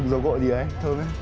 dùng dầu gội gì đấy thơm đấy